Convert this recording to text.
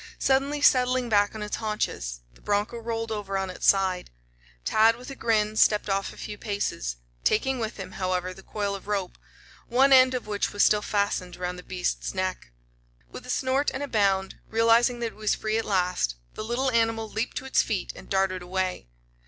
Suddenly settling back on its haunches, the broncho rolled over on its side. Tad, with a grin, stepped off a few paces, taking with him, however, the coil of rope, one end of which was still fastened around the beast's neck. With a snort and a bound, realizing that it was free at last, the little animal leaped to its feet and darted away.